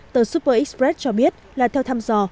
tờ super express cho biết là theo thăm dò